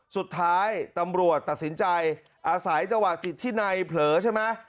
สุดท้ายตำรวจตัดสินใจอาศัยจังหวะสิทธิในเผลอใช่ไหม